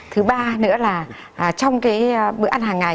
thứ ba nữa là trong cái bữa ăn hàng ngày